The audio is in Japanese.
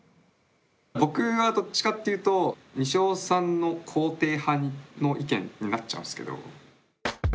僕はどっちかっていうとにしおさんの肯定派の意見になっちゃうんですけど。